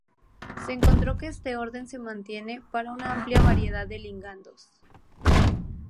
Se encontró que este orden se mantiene para una amplia variedad de ligandos.